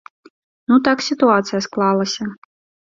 Ну так сітуацыя склалася.